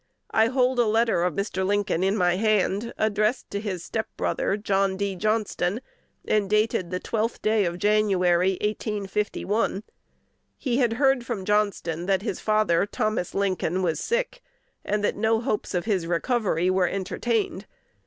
I hold a letter of Mr. Lincoln in my hand, addressed to his step brother, John D. Johnston, and dated the twelfth day of January, 1851. He had heard from Johnston that his father, Thomas Lincoln, was sick, and that no hopes of his recovery were entertained.